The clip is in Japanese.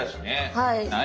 はい。